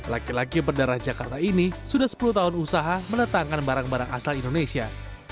laki laki berdarah jakarta ini sudah sepuluh tahun usaha menetangkan barang barang asal indonesia